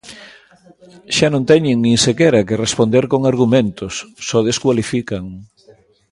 Xa non teñen nin sequera que responder con argumentos, só descualifican.